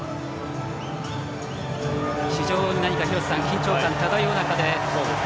非常に緊張感漂う中で。